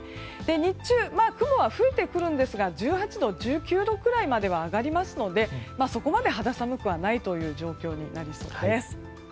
日中、雲は増えてくるんですが１８度、１９度くらいまでは上がりますのでそこまで肌寒くはないという状況になりそうです。